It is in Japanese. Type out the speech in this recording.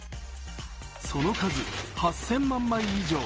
その数、８０００万枚以上。